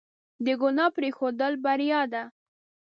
د ګناه پرېښودل بریا ده.